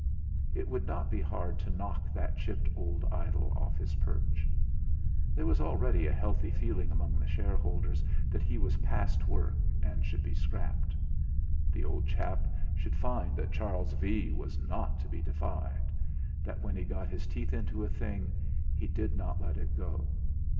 It would not be hard to knock that chipped old idol off his perch. There was already a healthy feeling among the shareholders that he was past work and should be scrapped. The old chap should find that Charles V. was not to be defied; that when he got his teeth into a thing, he did not let it go.